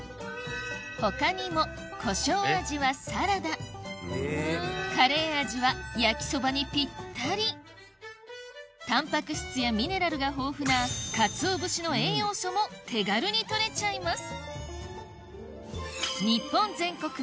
他にもコショウ味はサラダカレー味は焼きそばにぴったりタンパク質やミネラルが豊富なカツオ節の栄養素も手軽に取れちゃいます